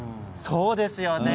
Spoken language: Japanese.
そうですよね。